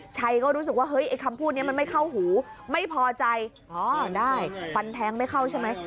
ชัยก็รู้สึกว่าเฮ้ยไอ้คำพูดนี้มันไม่เข้าหูไม่พอใจอ๋อได้ฟันแทงไม่เข้าใช่ไหม